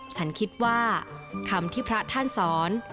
ฉันคิดว่าคำที่พระท่านสอน